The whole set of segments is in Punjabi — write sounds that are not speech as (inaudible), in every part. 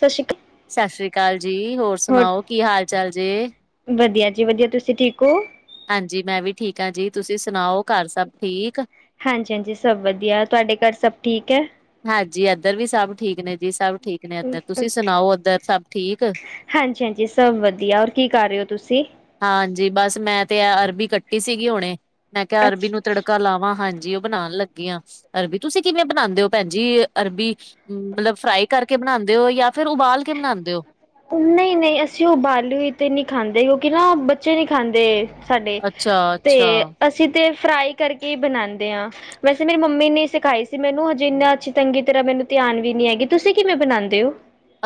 ਸਸ਼੍ਰੀ ਅਕਾਲ ਸਾਸ੍ਰੀ ਅਕਾਲ ਜੀ ਹੋਰ ਸੁਣਾਓ, ਕੀ ਹਾਲ ਚਾਲ ਜੇ ਵਧੀਆ ਜੀ ਵਧੀਆ ਤੁਸੀਂ ਠੀਕ ਹੋ ਹਾਂਜੀ ਮੈਂ ਵੀ ਠੀਕ ਆਂ ਜੀ, ਤੁਸੀਂ ਸੁਣਾਓ ਘਰ ਸਭ ਠੀਕ ਹਾਂਜੀ- ਹਾਂਜੀ ਸਭ ਵਧੀਆ, ਤੁਹਾਡੇ ਘਰ ਸਭ ਠੀਕ ਐ ਹਾਂਜੀ ਇੱਧਰ ਵੀ ਸਬ ਠੀਕ ਨੇ ਜੀ, ਸਭ ਠੀਕ ਨੇ ਇੱਧਰ, ਤੁਸੀਂ ਸੁਣਾਓ ਉਧਰ ਸਬ ਠੀਕ ਹਾਂਜੀ- ਹਾਂਜੀ ਸਭ ਵਧੀਆ, ਹੋਰ ਕੀ ਕਰ ਰਹੇ ਹੋ ਤੁਸੀਂ ਹਾਂਜੀ, ਬਸ ਮੈਂ ਤੇ ਆ ਅਰਬੀ ਕੱਟੀ ਸੀਗੀ ਹੁਣੇ ਮੈਂ ਕਿਹਾ ਅਰਬੀ ਅੱਛਾ ਨੂੰ ਅੱਛਾ ਤੜਕਾ ਲਾਵਾਂ, ਹਾਂਜੀ ਉਹ ਬਣਾਣ ਲੱਗ ਗੀਆਂ, ਅਰਬੀ ਤੁਸੀਂ ਕਿਵੇਂ ਬਣਾਉਂਦੇ ਓ ਭੈਣਜੀ ਅਰਬੀ ਮਤਲਬ ਫਰਾਈ ਕਰਕੇ ਬਣਾਉਂਦੇ ਓ, ਯਾ ਫੇਰ ਉਬਾਲ ਕੇ ਬਣਾਉਂਦੇ ਓ ਨਹੀਂ- ਨਹੀਂ ਅਸੀਂ ਉਬਾਲੀ ਹੋਈ ਤੇ ਨੀ ਖਾਂਦੇ, ਕਿਉਂਕਿ ਨਾ ਬੱਚੇ ਨੀ ਖਾਂਦੇ ਸਾਡੇ, ਤੇ ਅੱਛਾ-ਅੱਛਾ ਅਸ ਅਸੀ ਤੇ ਫਰਾਈ ਕਰਕੇ ਹੀ ਬਣਾਣਦੇ ਆਂ, ਵੈਸੇ ਮੇਰੀ ਮੰਮੀ ਨੇ ਸਿਖਾਈ ਮੈਨੂੰ ਹਜੇ ਇੰਨਾ ਅੱਛੀ ਤੰਗੀ ਤਰ੍ਹਾਂ ਮੈਨੂੰ ਧਿਆਨ ਵੀ ਨੀ ਹੈਗੀ, ਤੁਸੀਂ ਕਿਵੇਂ ਬਣਾਉਂਦੇ ਓ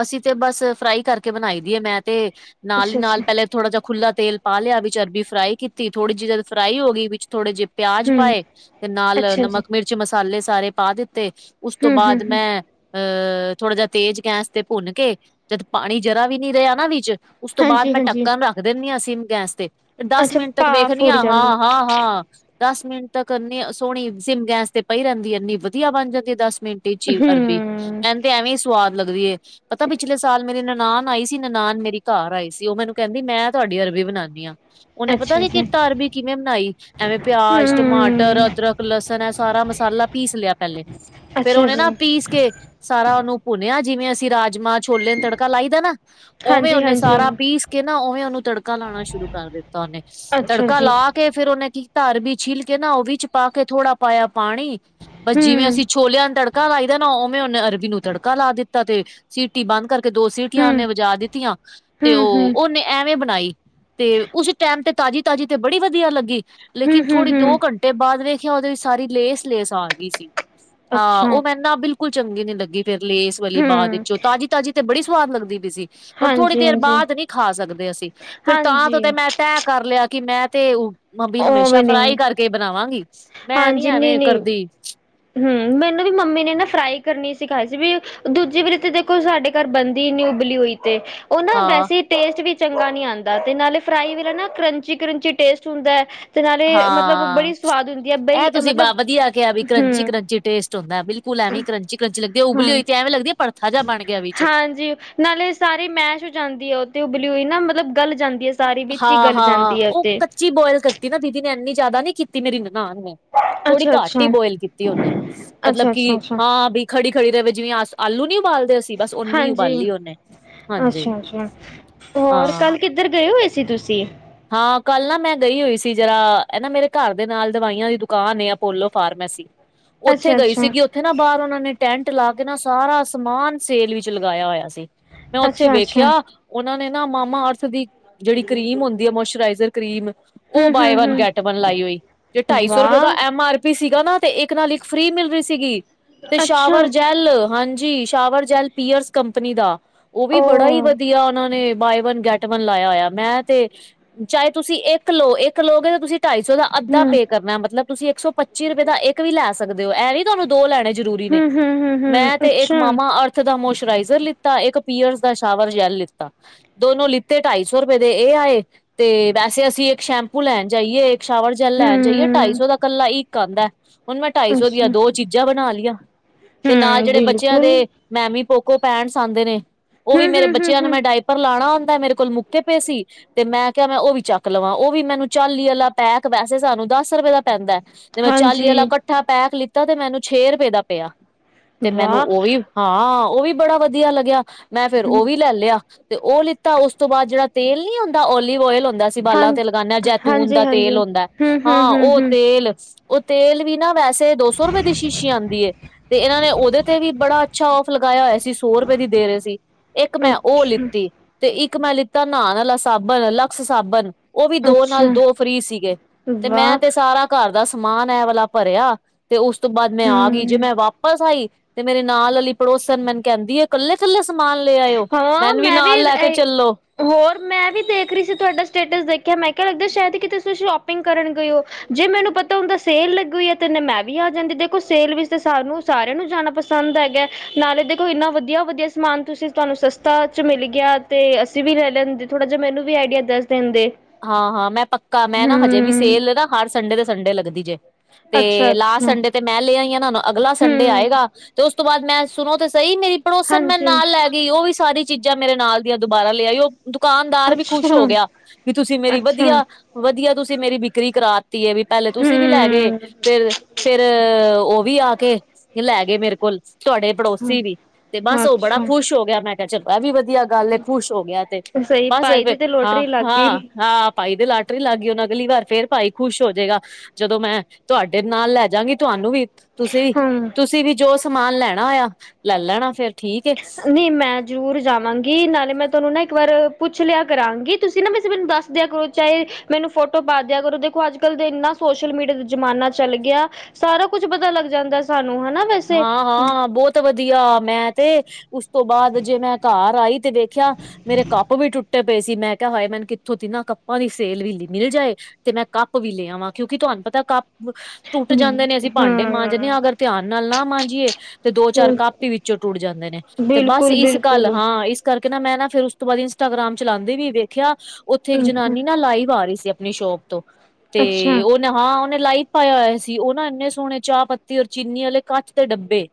ਅਸੀਂ ਤੇ ਬਸ ਫਰਾਈ ਕਰਕੇ ਬਣਾਈ ਦੀ ਏ ਮੈਂ ਤੇ, ਨਾਲ ਹੀ ਅੱਛਾ ਨਾਲ ਅੱਛਾ ਪੈਲੇ ਥੋੜਾ ਜਿਹਾ ਖੁਲਾ ਤੇਲ ਪਾ ਲਿਆ, ਵਿੱਚ ਅਰਬੀ ਫਰਾਈ ਕੀਤੀ, ਥੋੜੀ ਜਿਹੀ ਜਦ ਫਰਾਈ ਹੋ ਗਈ, ਵਿੱਚ ਥੋੜੇ ਜੇਹੇ ਪਿਆਜ ਹਮ ਪਾਏ, ਤੇ ਨਾਲ ਅੱਛਾ ਜੀ ਨਮਕ, ਮਿਰਚ ਮਸਾਲੇ ਸਾਰੇ ਪਾ ਦਿੱਤੇ ਉਸ ਤੋਂ ਹਮ ਹਮ ਬਾਅਦ ਹਮ ਮੈਂ, ਅਹ ਥੋੜਾ ਜਿਹਾ ਤੇਜ਼ ਗੈਸ ਤੇ ਭੁੰਨ ਕੇ, ਜਦ ਪਾਣੀ ਜਰਾ ਵੀ ਨੀ ਰਿਹਾ ਨਾ ਵਿੱਚ, ਉਸ ਤੋਂ ਬਾਅਦ ਹਾਂਜੀ ਮੈਂ ਹਾਂਜੀ ਟੱਕਣ ਰੱ ਰਖ ਦਿੰਦੀ ਆਂ ਸਿਮ ਗੈਸ ਤੇ, ਦਸ ਅੱਛਾ ਮਿੰਟ ਤੱਕ ਭਾਫ਼ ਵੇਖਦੀ ਉੜ ਆਂ, ਜਾਂਦੀ ਹਾਂ- ਹਾਂ- ਹਾਂ ਦਸ ਮਿੰਟ ਤੱਕ ਐਨੀ ਸੋਹਣੀ, ਸਿਮ ਗੈਸ ਤੇ ਪਈ ਰਹਿੰਦੀ ਐ, ਇੰਨੀ ਵਧੀਆ ਬਣ ਜਾਂਦੀ ਦਸ ਮਿੰਟੀ ਚੀ ਅਰਬੀ, ਹੂੰ ਮੈਨੂੰ ਤੇ ਐਵੇਂ ਹੀ ਸਵਾਦ ਲੱਗਦੀ ਏ ਪਤਾ ਪਿਛਲੇ ਸਾਲ ਮੇਰੀ ਨਨਾਣ ਆਈ ਸੀ, ਨਨਾਣ ਮੇਰੀ ਘਰ ਆਈ ਸੀ, ਉਹ ਮੈਨੂੰ ਕਹਿੰਦੀ, ਮੈਂ ਤੁਹਾਡੀ ਅਰਬੀ ਬਣਾਨੀ ਆਂ ਉਹਨੇ ਪਤਾ ਅੱਛਾ ਕਿ ਜੀ ਕੀਤਾ, ਅਰਬੀ ਕਿਵੇਂ ਮਨਾਈ ਐਵੇਂ ਪਿਆਜ, ਟਮਾਟਰ, ਹੂੰ ਅਦਰਕ, ਲਸਣ ਐ ਸਾਰਾ ਮਸਾਲਾ ਪੀਸ ਲਿਆ ਪਹਿਲੇ ਫਿਰ ਅੱਛਾ ਉਹਨੇ ਜੀ ਨਾ ਪੀਸ ਕੇ ਸਾਰਾ ਉਹਨੂੰ ਭੁੰਨਿਆ ਜਿਵੇਂ ਅਸੀਂ ਰਾਜਮਾਂਹ, ਛੋਲੇ ਨੂੰ ਤੜਕਾ ਲਾਈਦਾ ਨਾ, ਉਵੇਂ ਹਾਂਜੀ ਉਹਨੇ ਹਾਂਜੀ ਸਾਰਾ ਪੀਸ ਕੇ ਨਾ ਉਵੇਂ ਉਹਨੂੰ ਤੜਕਾ ਲਾਉਣਾ ਸ਼ੁਰੂ ਕਰ ਦਿੱਤਾ ਉਹਨੇ, ਅੱਛਾ ਤੜਕਾ ਜੀ ਲਾ ਢਕ ਕੇ, ਫਿਰ ਉਹਨੇ ਕੀ ਕੀਤਾ, ਅਰਬੀ ਛਿੱਲ ਕੇ ਨਾ ਉਹ ਵਿਚ ਪਾ ਕੇ ਥੋੜਾ ਪਾਇਆ ਪਾਣੀ ਬਸ ਜਿਵੇਂ ਹੂੰ ਅਸੀਂ ਛੋਲਿਆਂ ਨੂੰ ਤੜਕਾ ਲਾਈਦਾ ਨਾ, ਉਵੇਂ ਉਹਨੇ ਅਰਬੀ ਨੂੰ ਤੜਕਾ ਲਾ ਦਿੱਤਾ ਤੇ ਸੀਟੀ ਬੰਦ ਕਰਕੇ ਦੋ ਸੀਟੀਆਂ ਹੂੰ ਉਹਨੇ ਵਜਾ ਦਿੱਤੀਆਂ, ਤੇ ਹੂੰ ਓ, ਹੂੰ ਉਹਨੇ ਐਵੇਂ ਬਣਾਈ, ਤੇ ਉਸ ਟਾਈਮ ਤੇ ਤਾਜ਼ੀ- ਤਾਜ਼ੀ ਤੇ ਬੜੀ ਵਧੀਆ ਲੱਗੀ, ਹੂੰ ਲੇਕਿਨ ਹੂੰ ਥੋੜੀ ਹੂੰ ਦੋ ਘੰਟ ਤੇ ਬਾਅਦ ਵੇਖਿਆ, ਉਹਦੇ ਵਿੱਚ ਸਾਰੀ ਲੇਸ- ਲੇਸ ਆ ਗਈ ਸੀ, ਹਾਂ ਅੱਛਾ ਉਹ ਮੈਨੂੰ ਨਾ ਬਿਲ ਬਿਲਕੁਲ ਚੰਗੀ ਨੀ ਲੱਗੀ ਫੇਰ ਲੇਸ ਵਾਲੀ ਬਾਦ ਹੂੰ ਵਿੱਚੋਂ ਤਾਜ਼ੀ-ਤਾਜ਼ੀ ਤੇ ਬੜੀ ਸਵਾਦ ਲੱਗਦੀ ਪਈ ਸੀ ਪਰ ਥੋੜ੍ਹੀ ਹਾਂਜੀ ਦੇਰ ਹਾਂਜੀ ਬਾਦ ਨੀ ਖਾ ਸਕਦੇ ਅਸੀਂ ਫਿਰ ਹਾਂਜੀ ਤਾਂ ਤੇ ਮੈਂ ਤੈਅ ਕਰ ਲਿਆ ਕੀ ਮੈਂ ਤੇ ਮੰਮੀ ਉਹ ਵੀ ਹਮੇਸ਼ਾ ਫਰਾਈ ਨਹੀਂ ਕਰਕੇ ਈ ਬਣਾਵਾਂਗੀ। ਮੈਂ ਨੀ ਹਾਂਜੀ ਨਹੀਂ ਐਵੇਂ ਨਹੀਂ ਕਰਦੀ ਹੂੰ ਮੈਨੂੰ ਵੀ ਮੰਮੀ ਨੇ ਨਾ ਫਰਾਈ ਕਰਨੀ ਸਿਖਾਈ ਸੀ ਵੀ ਦੂਜੀ ਵਾਰੀ ਤੇ ਦੇਖੋ ਸਾਡੇ ਘਰ ਬੰਨਦੀ ਈ ਨੀ ਉਬਲੀ ਹੋਈ ਤੇ ਓ ਨਾ ਵੈਸੇ ਟੇਸਟ ਵੀ ਚੰਗਾ ਨੀ ਆਂਦਾ ਤੇ ਨਾਲੇ ਫਰਾਈ ਵੇਲਾ ਨਾ ਕਰੰਚੀ-ਕਰੰਚੀ ਟੇਸਟ ਹੁੰਦੈ ਤੇ ਨਾਲੇ ਮਤਲਬ ਬੜੀ ਸਵਾਦ ਹੁੰਦੀ ਐ ਬਈ ਤੁਸੀਂ ਮਤਲਬ ਬਾ ਵਧੀਆ ਕਿਆ ਵੀ ਹੂੰ ਕਰੰਚੀ-ਕਰੰਚੀ ਟੇਸਟ ਹੁੰਦਾ ਬਿਲਕੁਲ ਐਵੇਂ ਈ ਕਰੰਚੀ ਕਰੰਚੀ ਲਗਦੀ ਆ ਉਬਲੀ ਹਾਂ ਹੋਈ ਤੇ ਐਵੇਂ ਲੱਗਦੀ ਆ ਪਰਥਾ ਜਾ ਬਣ ਗਿਆ ਵੀ ਹਾਂਜੀ ਨਾਲੇ ਸਾਰੀ ਮੈਸ਼ ਹੋ ਜਾਂਦੀ ਐ ਓ ਤੇ ਉਬਲਿ ਹੋਈ ਨਾ ਮਤਲਬ ਗਲ ਜਾਂਦੀ ਐ ਸਾਰੀ ਵਿੱਚ ਈ ਗੱਲ ਜਾਂਦੀ ਓਤੇ ਚੀ ਬੋਇਲ ਕਰਤੀ ਨਾ ਦੀਦੀ ਨੇ ਏਨੀ ਜਾਦਾ ਨੀ ਕੀਤੀ ਮੇਰੀ ਨਨਾਨ ਨੇ ਥੋੜੀ ਘੱਟ ਈ ਅੱਛਾ-ਅੱਛਾ, ਬੋਏਲ ਕੀਤੀ ਓਨੇ, ਮਤਲਬ ਕੀ ਅੱਛਾ-ਅੱਛਾ-ਅੱਛਾ ਹਾਂ ਬੀ ਖੜੀ ਖੜੀ ਰਵੇ ਜਿਵੇਂ ਆਸ ਆਲੂ ਨੀ ਉਬਾਲ ਦੇ ਅਸੀ ਬਸ ਓਨੀ ਹਾਂਜੀ ਉਬਾਲੀ ਓਨੇ ਹਾਂਜੀ, ਹਾਂ ਕਿੱਦਰ ਗਏ ਹੋਏ ਸੀ ਤੂਸੀ? ਹਾਂ ਕੱਲ ਨਾ ਮੈਂ ਗਈ ਹੋਈ ਸੀ ਜਰਾ, ਐ ਨਾ ਮੇਰੇ ਘਾਰ ਦੇ ਨਾਲ ਦਵਾਈਆਂ ਦੀ ਦੁਕਾਨ ਏ ਅਪੋਲੋ ਫਾਰਮੈਸੀ (inaudible) ਓਥੇ ਗਈ ਸੀਗੀ ਓ ਓਥੇ ਨਾ ਬਾਰ ਓਨਾਂ ਨੇ ਟੈਂਟ ਲਾ ਕੇ ਨਾ ਸਾਰਾ ਸਮਾਨ ਸੇਲ ਵਿੱਚ ਲਗਾਇਆ ਹੋਇਆ ਸੀ ਮੈਂ ਓਥੇ ਅੱਛਾ ਅੱਛਾ ਵੇਖੇਆ ਓਨਾਂ ਨੇ ਨਾ ਮਾਮਾ ਅਰਥ ਦੀ (inaudible) ਮੋਸ਼ਰਾਈਜ਼ਰ ਕ੍ਰੀਮ ਹੂੰ ਓ ਹੂੰ ਬਾਏ ਵਨ ਗੈਟ ਹੂੰ ਵਨ ਲਾਈ ਹੋਈ, ਤੇ ਢਾਈ ਸੌ ਰੁਪਏ ਓਦਾ ਵਾਹ ਐ ਐਮ ਆਰ ਪੀ ਸੀਗਾ ਨਾ ਤੇ ਇੱਕ ਨਾਲ ਇੱਕ ਫ੍ਰਰੀ ਮਿਲ ਰੀ ਸੀਗੀ। ਤੇ ਅੱਛਾ ਸ਼ਾਵਰ ਜੈਲ ਹਾਂਜੀ, ਸ਼ਾਵਰ ਜੈਲ ਪੀਅਰਸ ਕੰਪਨੀ ਦਾ ਓ ਵੀ ਬੜਾ ਈ ਵਧੀਆ, ਓਨਾਂ ਨੇ ਬਾਏ ਵਨ ਗੈਟ ਵਨ ਲਾਇਆ ਹੋਏਆ, ਮੈਂ ਤੇ ਚਾਏ ਤੁਸੀਂ ਇਕ ਲੋ, ਇਕ ਲੋਗੇ ਤੇ ਤੂਸੀ ਢਾਈ ਸੌ ਦਾ ਅੱਧਾ ਹੂੰ ਪੇ ਕਰਨੈ ਮਤਲਬ ਤੂਸੀ ਇੱਕ ਸੌ ਪੱਚੀ ਰੁਪਏ ਦਾ ਇਕ ਵੀ ਲੈ ਸਕਦੇ ਓ ਐ ਵੀ ਤੂਆਨੂੰ ਦੋ ਲੈਣੇ ਜਰੂਰੀ ਨੇ, ਹੂੰ ਹੂੰ ਹੂੰ ਹੂੰ ਮੈਂ ਤੇ ਏਕ ਅੱਛਾ ਮਾਮਾ ਅਰ ਥ ਦਾ ਮੋਸਚਰਾਈਜ਼ਰ ਲਿੱਤਾ, ਇਕ ਪੀਅਰਸ ਦਾ ਸ਼ਾਵਰ ਜੈਲ ਲਿੱਤਾ ਦੋਨੋ ਲਿੱਤੇ ਢਾਈ ਸੌ ਰੁਪਏ ਦੇ ਏ ਆਏ ਤੇ ਵੈਸੇ ਅਸੀ ਇੱਕ ਸ਼ੈਂਪੂ ਲੈਨ ਜਾਈਏ, ਇਕ ਸ਼ਾਵਰ ਜੈੱਲ ਲੈਨ ਜਾਈਏ, ਢਾਈ ਹੂੰ ਸੌ ਦਾ ਕੱਲਾ ਇੱਕ ਆਂਦੈ ਹੁਨ ਮੈਂ ਢਾਈ ਸੌ ਦੀਆਂ ਅੱਛਾ ਦੋ ਚੀਜਾਂ ਬਣਾ ਲੀਆਂ, ਤੇ ਨਾਲ ਹੂੰ ਜੇੜੇ ਬੱਚੇਆਂ ਬਿਲਕੁਲ ਦੇ ਮੈਮੀ ਪੋਕੋ ਪੈੰਟਸ ਆਂਦੇ ਨੇ ਓ ਹੂੰ ਵੀ ਮੇਰੇ ਹੂੰ ਹੂੰ ਬੱਚੇਆਂ ਨੂੰ ਹੂੰ ਮੈਂ ਡਾਇ ਪਰ ਲਾਣਾ ਹੁੰਂਦੈ, ਮੇਰੇ ਕੋਲ ਮੁੱਕੇ ਪੇ ਸੀ, ਤੇ ਮੈਂ ਕੇਆ ਮੈਂ ਓ ਵੀ ਚੱਕ ਲਵਾਂ, ਓ ਵੀ ਮੈਨੂੰ ਚਾਲੀ ਆਲਾ ਪੈਕ ਵੈਸੇ ਸਾਨੂੰ ਦਾੱਸ ਰਪੇ ਦਾ ਪੈਂਦੈ ਤੇ ਮੈਂ ਚਾਲੀ ਹਾਂਜੀ ਆਲਾ ਕੱਠਾ ਪੈਕ ਲਿੱਤਾ ਤੇ ਮੈਨੂੰ ਛੇ ਰਪੇ ਦਾ ਪੇਆ ਤੇ ਮੈਨੂੰ ਵਾਹ ਓ ਵੀ ਹਾਂ, ਓ ਵੀ ਬੜਾ ਵਦੀਆ ਲੱਗੇਆ ਮੈਂ ਫੇਰ ਓ ਹਮ, ਵੀ ਲੈ ਲੇਆ। ਤੇ ਓ ਲਿੱਤਾ, ਉਸ ਤੋਂ ਬਾਦ ਜੇੜਾ ਤੇਲ ਨੀ ਹੁੰਦਾ, ਓਲਿੱਵ ਓਏਲ ਹੁੰਦੈ ਅਸੀ ਹਾਂ ਬਾਲਾਂ ਤੇ ਲਗਾਨੇ ਆਂ ਜੈਤੂਨ ਹਾਂਜੀ ਦਾ ਹਾਂਜੀ ਤੇਲ ਹੂੰਦੈ, ਹੂੰ ਹੂੰ ਹਾਂ ਹੂੰ ਓ ਹੂੰ ਤੇਲ ਓ ਤੇਲ ਵੀ ਨਾ ਵੈਸੇ ਦੋ ਸੌ ਰੁਪੇ ਦੀ ਸ਼ੀਸ਼ੀ ਆਂਦੀ ਏ ਤੇ ਏਨਾਂ ਨੇ ਓਦੇ ਤੇ ਵੀ ਬੜਾ ਅੱਛਾ ਔਫ਼ ਲਗਾਏਆ ਹੋਏਆ ਸੀ, ਸੌ ਰੂਪੇ ਦੀ ਦੇਰੇ ਸੀ। ਇਕ ਮੈਂ ਓ ਅੱਛਾ ਲਿੱਤੀ, ਤੇ ਇੱਕ ਮੈਂ ਲਿੱਤਾ ਨਾਨ ਆਲਾ ਸਾਬਨ, ਲਕਸ ਸਾਬਨ ਓ ਵੀ ਦੋ ਅੱਛਾ ਨਾਲ ਦੋ ਫ੍ਰਰੀ ਸੀਗੇ, ਤੇ ਮੈਂ ਵਾਹ ਤੇ ਸਾਰਾ ਘਰ ਦਾ ਸਮਾਨ ਐ ਵਾਲਾ ਭਰੇਆ ਤੇ ਉਸ ਤੋਂ ਬਾਦ ਮੈਂ ਆ ਗਈ ਜੇ ਹੂੰ ਮੈਂ ਵਾਪਸ ਆਈ ਤੇ ਮੇਰੇ ਨਾਲ ਆਲੀ ਪੜੋਸਨ ਮੈਨੂੰ ਕਹਿਦੀ ਏ ਕੱਲੇ-ਕੱਲੇ ਸਮਾਨ ਲੈ ਆਏ ਓ ਹਾਂ ਮੈਨੂੰ ਵੀ ਮੈਂ ਨਾਲ ਲੈ ਕੇ ਚੱਲੋ। ਹੋਰ ਮੈਂ ਵੀ ਦੇਖ ਰੀ ਸੀ ਤੁਆਡਾ ਸਟੇਟਸ ਦੇਖਿਆ ਮੈਂ ਕਿਹਾ ਲੱਗਦਾ ਸੈਦ ਕੀਤੇ ਤੁਸੀਂ ਸ਼ੋਪਿੰਗ ਕਰਨ ਗਏ ਓ। ਜੇ ਮੈਨੂੰ ਪਤਾ ਹੁੰਦਾ ਸੇਲ ਲੱਗੀ ਹੋਈ ਏ ਤੇ ਨੇ ਮੈਂ ਵੀ ਆ ਜਾਂਦੀ ਦੇਖੋ ਸੇਲ ਵਿੱਚ ਤੇ ਸਾਨੂੰ ਸਾਰਿਆਂ ਨੂੰ ਜਾਨਾ ਪਸੰਦ ਹੈਗੈ ਨਾਲੇ ਦੇਖੋ ਇੰਨਾ ਵਧੀਆ-ਵਧੀਆ ਸਮਾਨ ਤੁਸੀ ਤੁਹਾਨੂੰ ਸਸਤਾ ਚ ਮਿਲ ਗਿਆ ਤੇ ਅਸੀ ਵੀ ਲੈ ਲੈਂਦੇ ਥੋੜਾ ਜਾ ਮੈਨੂੰ ਵੀ ਆਈਡੀਆ ਦੱਸ ਦੇਂਦੇ। ਹਾਂ, ਹਾਂ ਮੈਂ ਪੱਕਾ ਮੈਂ ਨਾ ਹਜੇ ਵੀ ਸੇਲ ਏ ਨਾ ਹਰ ਸੰਡੇ ਦੇ ਸੰਡੇ ਲਗਦੀ ਜੇ। ਤੇ ਅੱਛਾ ਲਾਸਟ ਅੱਛਾ ਸੰਡੇ ਤੇ ਮੈਂ ਲੈ ਆਈ ਨਾ ਹੁਣ ਅਗਲਾ ਸੰਡੇ ਹਮ ਆਏਗਾ ਤੇ ਉਸ ਤੋਂ ਬਾਦ ਮੈਂ ਸ ਸੁਨੋ ਤੇ ਸਈ ਮੇਰੀ ਪੜੋਸਨ ਮੈਨੂੰ ਹਾਂਜੀ ਨਾਲ ਲੈਗੀ‌ ਓ ਵੀ ਸਾਰੀ ਚੀਜਾਂ ਮੇਰੇ ਨਾਲ ਦੀਆਂ ਦੁਬਾਰਾ ਲੇ ਆਈ ਓ ਦੁਕਾਨਦਾਰ ਵੀ ਖੁਸ਼ ਹੋ ਅੱਛਾ ਗਿਆ ਵੀ ਤੁਸੀ ਮੇਰੀ ਅੱਛਾ ਵਧੀਆ-ਵਧੀਆ ਤੁਸੀ ਮੇਰੀ ਵਿਕਰੀ ਕਰਾ ਤੀਏ ਵੀ ਪਹਿਲੇ ਤੁਸੀ ਵੀ ਲੈ ਗਏ ਹਮ ਫੇਰ-ਫੇਰ ਓ ਵੀ ਆ ਕੇ ਲੈ ਗਏ ਮੇਰੇ ਕੋਲ ਤੁਆਡੇ ਪੜੋਸੀ ਵੀ ਤੇ ਬਸ ਓ ਬੜਾ ਅੱਛਾ ਖੁਸ਼ ਹੋ ਗਿਆ ਮੈਂ ਕਿਹਾ ਚਲੋ ਐ ਵੀ ਵਧੀਆ ਗੱਲ ਏ ਖੁਸ਼ ਹੋ ਗਿਆ ਤੇ ਸਹੀ ਬਸ ਭਾਈ ਦੀ ਫੇਰ ਤੇ ਹਾਂ, ਲੋਟਰੀ ਲੱਗ ਗਈ ਹਾਂ। ਹਾਂ, ਭਾਈ ਦੀ ਲਾਟਰੀ ਲੱਗ ਗਈ ਹੁਣ ਅਗਲੀ ਵਾਰ ਫੇਰ ਭਾਈ ਖੁਸ਼ ਹੋ ਜੇਗਾ। ਜਦੋਂ ਮੈਂ ਤੁਹਾਡੇ ਨਾਲ ਲੈ ਜਾਂਗੀ ਤੁਆਨੂੰ ਵੀ ਹਮ ਤੁਸੀ-ਤੁਸੀਂ ਵੀ ਜੋ ਸਮਾਨ ਲੈਣਾ ਹੋਏਆ ਲੈ ਲੈਣਾ ਫੇਰ। ਠੀਕ ਏ ਨੀਂ ਮੈਂ ਜਰੂਰ ਜਾਵਾਂਗੀ ਨਾਲੇ ਮੈਂ ਤੋਨੂੰ ਨਾ ਇੱਕ ਵਾਰ ਪੁੱਛ ਲੇਆ ਕਰਾਂਗੀ ਤੁਸੀ ਨਾ ਵੈਸੇ ਮੈਨੂੰ ਦੱਸ ਦੇਆਂ ਕਰੋ ਚਾਹੇ ਮੈਨੂੰ ਫੋਟੋ ਪਾ ਦਿਆ ਕਰੋ ਦੇਖੋ ਅੱਜ ਕੱਲ੍ਹ ਦੇ ਇੰਨਾ ਸੋਸ਼ਲ ਮੀਡੀਆ ਦਾ ਜ਼ਮਾਨਾ ਚੱਲ ਗਿਆ‌। ਸਾਰਾ ਕੁੱਛ ਪਤਾ ਲੱਗ ਜਾਂਦਾ ਸਾਨੂੰ ਹਨਾ ਵੈਸੇ ਹਾਂ ਹਾਂ ਬੋਤ ਵਧੀਆ ਮੈਂ ਤੇ ਉਸ ਤੋਂ ਬਾਦ ਜੇ ਮੈਂ ਘਾਰ ਆਈ ਤੇ ਵੇਖਿਆ ਮੇਰੇ ਕੱਪ ਵੀ ਟੁੱਟੇ ਪਏ ਸੀ ਮੈਂ ਕਿਹਾ ਹਾਏ ਮੈਨੂੰ ਕਿੱਥੋਂ ਦੀ ਨਾ ਕੱਪਾਂ ਦੀ ਸੇਲ ਵੀ ਮਿਲ ਜਾਏ ਤੇ ਮੈਂ ਕੱਪ ਵੀ ਲੈ ਆਵਾਂ ਕਿਉਂਕਿ ਤਹਾਨੂੰ ਪਤਾ ਕੱਪ ਟੁੱਟ ਜਾਂਦੇ ਨੇ ਅਸੀਂ ਭਾਂਡੇ ਮਾਂਜਨੇ ਹਮ ਆ ਅਗਰ ਧਿਆਨ ਨਾਲ ਨਾ ਮਾਂਜੀਏ ਤੇ ਦੋ ਚਾਰ ਕੱਪ ਈ ਵਿੱਚੋਂ ਟੁੱਟ ਜਾਂਦੇ ਨੇ ਤੇ ਬਸ ਬਿਲਕੁਲ ਇਸ ਗੱਲ, ਬਿਲਕੁਲ ਹਾਂ ਹਾਂ ਇਸ ਕਰਕੇ ਨਾ ਮੈਂ ਨਾ ਫੇਰ ਉਸ ਤੋਂ ਬਾਦ ਇੰਸਟਾਗ੍ਰਾਮ ਚਲਾਂਦੀ ਵੀ ਵੇ ਖਿਆ ਉੱਥੇ ਇੱਕ ਜਨਾਨੀ ਨਾ ਲਾਈਵ ਆ ਰੀ ਸੀ ਆਪਨੀ ਸ਼ੋਪ ਤੋਂ, ਤੇ ਅੱਛਾ ਓ ਹਾਂ ਓਨੇ ਲਾਈਵ ਪਾਇਆ ਹੋਇਆ ਸੀ ਓ ਨਾ ਇੰਨੇ ਸੋਹਣੇ ਚਾਹ ਪੱਤੀ ਔਰ ਚੀਨੀ ਆਲੇ ਕੱਚ ਦੇ ਡੱਬੇ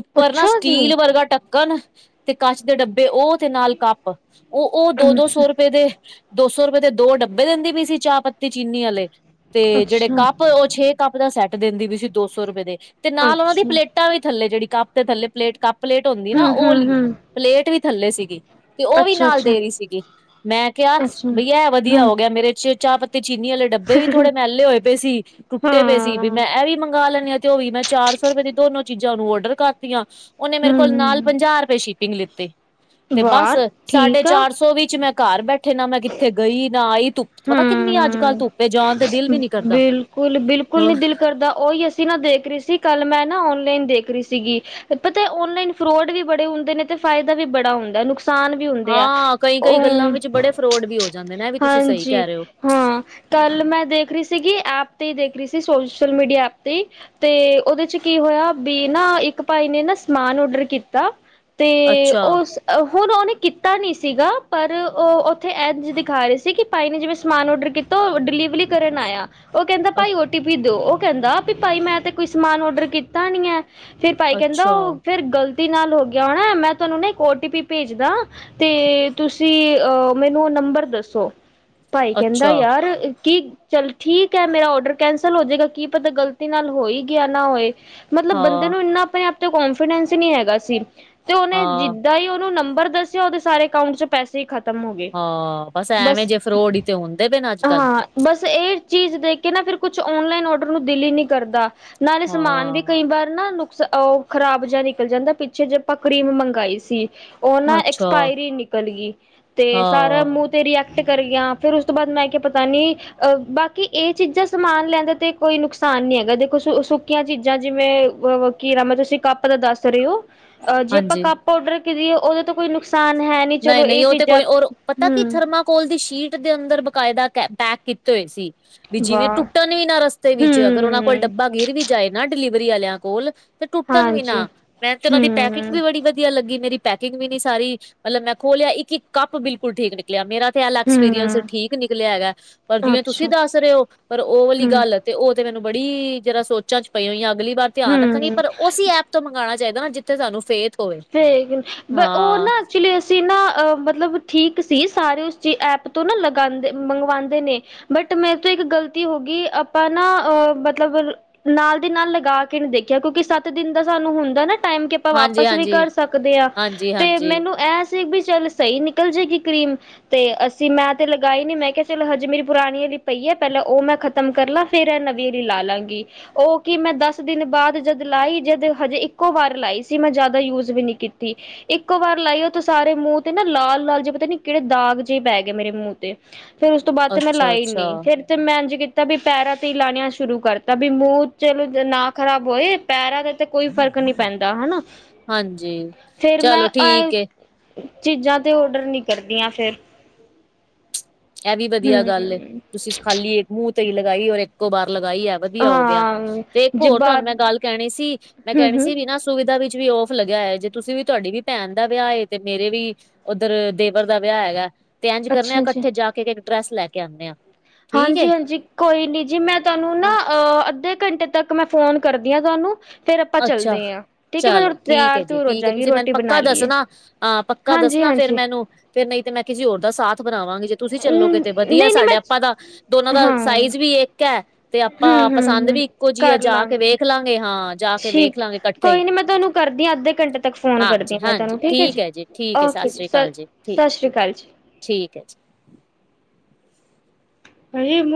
ਉੱਪਰ ਨਾ ਅੱਛਾ ਜੀ ਸਟੀਲ ਵਰਗਾ ਟੱਕਨ ਤੇ ਕੱਚ ਦੇ ਡੱਬੇ ਓ ਤੇ ਨਾਲ ਕੱਪ ਉ ਉ ਦੋ-ਦੋ ਅੱਛਾ ਸੌ ਰੁਪਏ ਦੇ ਦੋ ਸੌ ਰੁਪਏ ਦੇ ਦੋ ਡੱਬੇ ਦਿੰਦੀ ਪਈ ਸੀ ਚਾਹਪੱਤੀ ਚੀਨੀ ਆਲੇ ਤੇ ਜੈਹੜੇ ਅੱਛਾ ਕੱਪ ਓ ਛੇ ਕੱਪ ਦਾ ਸੈਟ ਦਿੰਦੀ ਪਈ ਸੀ ਦੋ ਸੌ ਰੁਪਏ ਦੇ ਤੇ ਨਾਲ ਓਨਾਂ ਦੀ ਅੱਛਾ ਪਲੇਟਾਂ ਵੀ ਥੱਲੇ ਜੇੜੀ ਕੱਪ ਦੇ ਥੱਲੇ ਪਲੇਟ ਕੱਪ ਪਲੇਟ ਹੁੰਦੀ ਨਾ ਹਮ ਹਮ ਓਲੀ ਹਮ ਪਲੇਟ ਵੀ ਥੱਲੇ ਸੀਗੀ। ਤੇ ਓ ਵੀ ਅੱਛਾ ਨਾਲ ਅੱਛਾ ਦੇ ਰੀ ਸੀਗੀ ਮੈਂ ਕਿਹਾ ਅੱਛਾ ਬਈ ਐ ਵਧੀਆ ਹਮ ਹੋ ਗਿਆ ਮੇਰੇ ਚ ਚਾਹਪੱਤੀ ਤੇ ਚੀਨੀ ਆਲੇ ਡੱਬੇ ਵੀ ਥੋੜੇ ਮੈਲੇ ਹੋਏ ਪਏ ਸੀ ਟੁੱ ਟੇ ਪਏ ਸੀ ਵੀ ਹਾਂ ਮੈਂ ਏ ਵੀ ਮੰਗਵਾ ਲੈਂਨੀ ਆ ਤੇ ਓ ਵੀ ਮੈਂ ਚਾਰ ਸੌ ਰੁਪਏ ਦੀ ਦੋਨੋ ਚੀਜ਼ਾਂ ਉਹਨੂੰ ਔਡਰ ਕਰਤੀਆਂ ਉਹਨੇ ਮੇਰੇ ਕੋਲ ਨਾਲ ਹੂੰ ਪੰਜਾਹ ਰੁਪਏ ਸ਼ਿਪਿੰਗ ਲਿੱਤੇ ਤੇ ਵਾਹ ਬਸ ਸਾਢੇ ਠੀਕ ਆ ਚਾਰ ਸੌ ਵਿੱਚ ਮੈਂ ਕਾਰ ਬੈਠੇ ਨਾ ਮੈਂ ਕਿੱਥੇ ਗਈ ਨਾ ਆਈ ਧੁੱਪ ਚ ਪਤਾ ਕਿੰਨੀ ਅੱਜ ਕੱਲ੍ਹ ਹੂੰ, ਧੁੱਪੇ ਜਾਣ ਤੇ ਦਿਲ ਵੀ ਨੀ ਕਰਦਾ ਬਿਲਕੁਲ ਬਿਲਕੁਲ ਨੀ ਦਿਲ ਕਰਦਾ ਓਈ ਏ ਨਾ ਦੇਖ ਰੀ ਸੀ ਕੱਲ੍ਹ ਮੈਂ ਨਾ ਔਨਲਾਈਨ ਦੇਖ ਰੀ ਸੀਗੀ ਪਤਾ ਔਨਲਾਈਨ ਫਰੋਡ ਵੀ ਬੜੇ ਹੁੰਦੇ ਨੇ ਤੇ ਫਾਇਦਾ ਵੀ ਬੜਾ ਹੁੰਦਾ ਨੁਕਸਾਨ ਵੀ ਹੁੰਦੇ ਆ ਹਾਂ ਕਈ ਕਈ ਗੱਲਾਂ ਵਿੱਚ ਅ, ਬੜੇ ਫਰੋਡ ਵੀ ਹੋ ਜਾਂਦੇ ਨੇ ਇਹ ਵੀ ਤੁਸੀਂ ਸਹੀ ਹਾਂਜੀ ਕਹਿ ਰਹੇ ਹੋ ਹਾਂ ਕੱਲ ਮੈਂ ਦੇਖ ਰੀ ਸੀਗੀ ਐਪ ਤੇ ਈ ਦੇਖ ਰੀ ਸੀ ਸੋਸ਼ਲ ਮੀਡੀਆ ਐਪ ਤੇ ਈ ਤੇ ਉਹਦੇ ਚ ਕੀ ਹੋਇਆ ਵੀ ਨਾ ਇੱਕ ਭਾਈ ਨੇ ਨਾ ਸਮਾਨ ਓਡਰ ਕੀਤਾ ਤੇ ਅੱਛਾ ਉਸ ਹੁਨ ਓਨੇ ਕੀਤਾ ਨੀਂ ਸੀਗਾ ਪਰ ਓ ਉੱਥੇ ਇਂਝ ਦਿਖਾ ਰੇ ਸੀ ਕਿ ਭਾਈ ਨੇ ਜਿਵੇਂ ਸਮਾਨ ਔਡਰ ਕੀਤ ਡਿਲੀਵਰੀ ਕਰਨ ਆਇਆ ਓ ਕਹਿੰਦਾ ਭਾਈ ਓ ਟੀ ਪੀ ਦੋ ਉਹ ਕਹਿੰਦਾ ਵੀ ਭਾਈ ਮੈਂ ਤੇ ਕੋਈ ਸਮਾਨ ਔਡਰ ਕੀਤਾ ਨੀ ਏ ਫਿਰ ਭਾਈ ਕਹਿੰਦਾ ਅੱਛਾ ਉਹ ਫਿਰ ਗ਼ਲਤ ਗਲਤੀ ਨਾਲ ਹੋ ਗਿਆ ਹੋਨਾ ਮੈਂ ਤੁਹਾਨੂੰ ਨਾ ਇੱਕ ਓ ਟੀ ਪੀ ਭੇਜਦਾ ਤੇ ਤੁਸੀਂ ਅ ਮੈਨੂੰ ਓ ਨੰਬਰ ਦੱਸੋ ਭਾਈ ਕਹਿੰਦਾ ਅੱਛਾ ਯਾਰ ਕੀ ਚੱਲ ਠੀਕ ਏ ਮੇਰਾ ਔਡਰ ਕੈਂਸਲ ਹੋ ਜੈਗਾ ਕੀ ਪਤਾ ਗ਼ਲਤੀ ਨਾਲ ਹੋਈ ਗਿਆ ਨਾ ਹੋਏ ਮਤਲਬ ਬੰਦੇ ਹਾਂ ਨੂੰ ਇੰਨਾ ਆਪਨੇ ਆਪ ਤੇ ਕੋਨਫੀਡੈਂਸ ਹੀ ਨੀ ਹੈਗਾ ਸੀ। ਤੇ ਓਨੇ ਹਾਂ ਜਿੱਦਾਂ ਉਨੂੰ ਨੰਬਰ ਦੱਸਿਆ ਉਹਦੇ ਸਾਰੇ ਅਕਾਊਂਟ ਚ ਪੈਸੇ ਈ ਖਤਮ ਹੋ ਗਏ ਹਾਂ ਐਵੇਂ ਬਸ ਜੇ ਫਰੋਡ ਈ ਤੇ ਹੁੰਦੇ ਪੈ ਨੇ ਅੱਜ ਕੱਲ ਹਾਂ ਬਸ ਐ ਚੀਜ਼ ਦੇਖ ਕੇ ਨਾ ਫਿਰ ਕੁਛ ਔਨਲਾਈਨ ਅੋਡਰ ਨੂੰ ਦਿਲ ਈ ਨੀ ਕਰਦਾ ਨਾਲੇ ਸਮਾਨ ਵੀ ਹਾਂ, ਕਈ ਵਾਰ ਨਾ ਨੁਕਸ ਓ ਖ਼ਰਾਬ ਜਿਹਾ ਨਿਕਲ ਜਾਂਦਾ ਪਿੱਛੇ ਜੇ ਆਪਾ ਕਰ੍ਰੀਮ ਮੰਗਾਈ ਸੀ। ਓ ਨਾ ਅੱਛਾ, ਐਕਸਪਾਈਰੀ ਨੀਕਲ ਗਈ ਤੇ ਸਾਰਾ ਹਾਂ, ਮੂੰਹ ਤੇ ਰੈਕਟ ਕਟ ਕਰ ਜਾ ਫਿਰ ਉਸ ਤੋਂ ਬਾਅਦ ਮੈਂ ਕਿਆ ਪਤਾ ਨੀ ਅ ਬਾਕੀ ਏ ਚੀਜ਼ਾਂ ਸਮਾਨ ਲੈਨ ਦਾ ਤੇ ਕੋਈ ਨੁਕਸਾਨ ਨੀ ਹੈਗਾ ਦੇਖੋ ਸੁ ਸੁੱਕੀਆਂ ਚੀਜ਼ਾਂ ਜਿਵੇਂ ਕੀ ਰਾਮ ਏ ਤੁਸੀਂ ਕੱਪ ਦਾ ਦੱਸ ਰੇ ਓ ਅ ਜੇ ਆਪਾਂ ਹਾਂਜੀ। ਕੱਪ ਔਡਰ ਕਰੀਏ ਉਹਦੇ ਤੋਂ ਕੋਈ ਨੁਕਸਾਨ ਹੈ। ਨੀ ਚਲੋ ਨਹੀਂ ਨਹੀਂ ਇਹ ਓ ਤੇ ਚੀਜ਼ਾਂ ਕੋਈ ਅੋਰ ਪਤਾ ਕੀ ਹਮ ਥਰਮਾਕੋਲ ਦੀ ਸ਼ੀਟ ਦੇ ਅੰਦਰ ਬਕਾਇਦਾ ਪੈਕ ਕੀ ਟੁੱਟੇ ਹੋਏ ਸੀ ਵੀ ਜਿਵੇਂ ਵਾਹ ਟੁੱਟਨ ਵੀ ਨਾ ਰਸਤੇ ਵਿੱਚ ਅਗਰ ਓਨਾਂ ਕੋਲ ਹੂੰ, ਡੱਬਾ ਗਿਰ ਵੀ ਜਾਏ ਨਾ ਡਿਲੀਵਰੀ ਆਲਿਆਂ ਕੋਲ ਤੇ ਟੁੱਟਨ ਵੀ ਹਾਂਜੀ, ਨਾ ਮੈਂ ਤੇ ਉਹਨਾਂ ਦੀ ਪੈਕਿੰਗ ਹੂੰ, ਵੀ ਬੜੀ ਵਧੀ ਵਧੀਆ ਲੱਗੀ ਮੇਰੀ ਪੈਕਿੰਗ ਵੀ ਨੀ ਸਾਰੀ ਮਤਲਬ ਮੈਂ ਖੋਲਿਆ ਇੱਕ ਇੱਕ ਕੱਪ ਬਿਲਕੁਲ ਠੀਕ ਨਿਕਲ ਨਿਕਲਿਆ ਮੇਰਾ ਤੇ ਐਲਾ ਐਕਸਪੀਰੀਅੰਸ ਹੂੰ। ਠੀਕ ਨਿਕਲਿਆ ਹੈਗਾ ਪਰ ਜਿਵੇਂ ਤੁਸੀਂ ਅੱਛਾ, ਦੱਸ ਰੇ ਓ ਪਰ ਉਹ ਵਾਲੀ ਹੂੰ, ਗੱਲ ਤੇ ਓ ਤੇ ਮੈਨੂੰ ਬੜੀ ਜਰਾ ਸੋਚਾਂ ਚ ਪਈ ਹੋਈਆਂ ਅਗਲੀ ਵਾਰ ਧਿਆਨ ਰੱਖਾਗੀ਼ ਹੂੰ। ਪਰ ਉਸੀ ਐਪ ਤੋ ਮੰਗਾਣਾ ਚਾਹੀਦਾ ਨਾ, ਜਿੱਥੇ ਸਾਨੂੰ ਫੇਥ ਹੋਵੇ ਏ ਓ ਬ ਉਹ ਹਾਂ ਨਾ। ਐਕਚੁਲੀ ਅਸੀਂ ਨਾ ਅ ਮਤਲਬ ਠੀਕ ਸੀ, ਸਾਰੇ ਉਸਚੀ ਐਪ ਤੋਂ ਨਾ ਲਗਾਂਦੇ, ਮੰਗਵਾਦੇ ਨੇ। ਬਟ, ਮੇਰੇ ਤੋਂ ਇੱਕ ਗ਼ਲਤੀ ਹੋ ਗਈ, ਆਪਾਂ ਨਾ ਅਹ ਮਤਲਬ ਨਾਲ ਦੀ ਨਾਲ ਲਗਾ ਕੇ ਨੀ ਦੇਖਿਆ, ਕਿਉਂਕਿ ਸੱਤ ਦਿਨ ਦਾ ਸਾਨੂੰ ਹੁੰਦਾ ਨਾ ਟਾਈਮ ਕੇ ਆਪਾਂ ਹਾਂਜੀ ਵਾਪਿਸ ਵੀ ਹਾਂਜੀ ਕਰ ਸਕਦੇ ਆਂ, ਤੇ ਹਾਂਜੀ-ਹਾਂਜੀ, ਮੈਨੂੰ ਇਹ ਸੀ ਬੀ ਚੱਲ ਸਹੀ ਨਿਕਲ ਜਾਏਗੀ ਕਰ੍ਰੀਮ। ਤੇ ਅਸੀਂ ਮੈਂ ਤੇ ਲਗਾਈ ਨੀ। ਮੈਂ ਕਿਹਾ ਚਲ ਹਜੇ ਮੇਰੀ ਪੁਰਾਣੀ ਅਲੀ ਪਈ ਹੈ, ਪਹਿਲਾਂ ਉਹ ਮੈਂ ਖਤ ਖ਼ਤਮ ਕਰ ਲਾਂ, ਫਿਰ ਏ ਨਵੀਂ ਲਾ ਲਾਂਗੀ। ਉਹ ਕਿ ਮੈਂ ਦਸ ਦਿਨ ਬਾਦ ਜਦ ਲਾਈ, ਜਦ ਹਜੇ ਇੱਕੋ ਵਾਰ ਲਾਈ ਸੀ ਮੈਂ ਜਦ ਮੈਂ ਯੂਜ ਵੀ ਨੀ ਕੀਤੀ। ਇੱਕੋ ਵਾਰ ਲਾਈਓ ਤੇ ਸਾਰੇ ਮੂੰਹ ਤੇ ਨਾ ਲਾਲ ਲਾਲ ਜੇਹੇ ਪਤਾ ਨੀ ਕਿਹੜੇ ਦਾਗ ਜਿਹੇ ਪੈ ਗਏ ਮੇਰੇ ਮੂੰਹ ਤੇ। ਫਿਰ ਉਸ ਤੋਂ ਬਾਦ ਤੇ ਮੈਂ ਲਾਈ ਹੀ ਅੱਛਾ-ਅੱਛਾ, ਨੀ, ਫਿਰ। ਤੇ ਮੈਂ ਇੰਜ ਕੀਤਾ ਵੀ ਪੈਰਾਂ ਤੇ ਹੀ ਲਾਣੀਆਂ ਸ਼ੁਰੂ ਕਰ ਤਾਂ ਵੀ ਮੂੰਹ ਚਲੋ ਨਾ ਖ਼ਰਾਬ ਹੋਏ। ਪੈਰਾਂ ਤੇ ਕੋਈ ਫ਼ਰਕ ਨਹੀਂ ਪੈਂਦਾ ਹਨਾ। ਹਾਂਜੀ, ਫੇਰ ਮੈਂ ਚਲੋ ਇਹ ਠੀਕ ਏ। ਚੀਜ਼ਾਂ ਤੇ ਔਡਰ ਨੀ ਕਰਦੀਆਂ ਫਿਰ। ਇਹ ਵੀ ਵਧੀਆ ਗੱਲ ਏ, ਹੂੰ, ਤੁਸੀਂ ਖਾਲੀ ਇੱਕ ਮੂੰਹ ਤੇ ਈ ਲਗਾਈ, ਔਰ ਇੱਕੋ ਬਾਰ ਲਗਾਈ ਹੈ। ਵਧੀਆ ਹੋ ਗਿਆ, ਹਾਂ ਤੇ ਇੱਕ ਜੇ ਹੋਰ ਤੁਹਾਨੂੰ ਬਾਅਦ ਮੈਂ ਗੱਲ ਕਹਿਣੀ ਸੀ। ਮੈਂ ਕਹਿਣੀ ਹੂੰ-ਹੂੰ, ਸੀ ਵੀ ਨਾ ਸੁਵਿਧਾ ਵਿੱਚ ਵੀ ਔਫ ਲਗਾ ਹੈ। ਜੇ ਤੁਸੀਂ ਵੀ, ਤੁਹਾਡੀ ਵੀ ਭੈਣ ਦਾ ਵਿਆਹ ਹੈ, ਤੇ ਮੇਰੇ ਵੀ ਉੱਦਰ ਦੇਵਰ ਦਾ ਵਿਆਹ ਹੈਗਾ, ਤੇ ਇੰਜ ਕਰਨਾ ਅੱਛਾ-ਅੱਛਾ। ਕੱਠੇ ਜਾ ਕੇ ਇੱਕ ਡਰੈਸ ਲੈ ਕੇ ਆਂਦੇ ਆਂ। ਹਾਂਜੀ, ਹਾਂਜੀ ਕੋਈ ਨੀ ਜੀ। ਮੈਂ ਤੁਹਾਨੂੰ ਨਾ ਹਾਂ ਅਹ ਅੱਧੇ ਘੰਟੇ ਤੱਕ ਮੈਂ ਫੋਨ ਕਰਦੀ ਆ ਤੁਹਾਨੂੰ। ਫਿਰ ਆਪਾਂ ਅੱਛਾ ਚੱਲਦੇ ਆ ਠੀਕ ਐ, ਮੈਂ ਚਲੋ ਠੀਕ ਤਿਆਰ ਹੈ ਜੀ ਤਯੂਰ ਹੋ ਠੀਕ ਹੈ ਜਾਂਗੀ ਤੁਸੀਂ ਮੈਨੂੰ ਰੋਟੀ ਪੱਕਾ ਬਣਾ ਲਈਏ। ਦੱਸਣਾ ਹਾਂ, ਪੱਕਾ ਦੱਸਨਾ ਫਿਰ ਹਾਂਜੀ-ਹਾਂਜੀ, ਮੈਨੂੰ, ਫਿਰ ਨਹੀਂ ਤੇ ਮੈਂ ਕਿਸੀ ਹੋਰ ਦਾ ਸਾ ਸਾਥ ਬਣਾਵਾਂਗੀ ਜੇ ਤੁਸੀਂ ਚੱਲੋਗੇ ਤੇ ਵਧੀਆ, ਨਈ-ਨਈ ਸਾਡੇ ਮੈਂ ਆਪਾਂ ਤਾਂ ਦੋਨਾਂ ਦਾ ਹਾਂ ਸਾਈਜ਼ ਵੀ ਇੱਕ ਆ। ਤੇ ਆਪਾਂ ਪਸੰਦ ਹੂੰ-ਹੂੰ-ਹੂੰ ਵੀ ਇੱਕੋ ਜਿਹੀ ਆ ਕਰ ਜਾ ਕੇ ਲਾਂਗੀ ਵੇਖ ਲਾਂਗੇ ਹਾਂ ਜਾ ਕੇ ਠੀਕ ਵੇਖ ਲਾਂਗੇ ਕੱਠੇ ਹੀ, ਕੋਈ ਨੀ ਮੈਂ ਤੁਹਾਨੂੰ ਕਰਦੀ ਆ ਅੱਧੇ ਘੰਟੇ ਤੱਕ ਫੋਨ ਕਰਦੀ ਹਾਂਜੀ ਆ ਮੈਂ ਹਾਂਜੀ ਤੁਹਾਨੂੰ ਠੀਕ ਐ ਜੀ। ਠੀਕ ਐ ਸਤਿ ਓਕੇ ਸ੍ਰੀ ਸ ਅਕਾਲ ਜੀ, ਠੀਕ ਸਤਿ ਸ਼੍ਰੀ ਅਕਾਲ ਠੀਕ ਐ ਜੀ। (unintelligible)